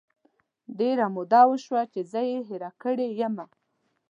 ډیره موده وشوه چې زه یې هیره کړی یمه